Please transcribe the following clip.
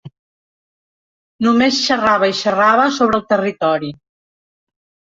Només xerrava i xerrava sobre el territori.